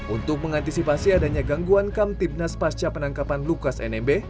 untuk mengantisipasi adanya gangguan kamtipnas pasca penangkapan lukas nmb